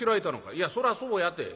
「いやそらそうやて。